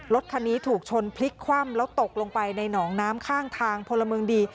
รถคันนี้ถูกชนพลิกคว่ำแล้วตกลงไปในหนองน้ำข้างทางพลเมืองดี